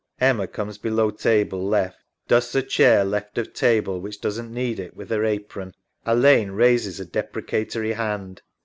[Emma comes below table left. Dusts a chair left of table, which doesn't need it, with her apron. Alleyne raises a depre catory hand.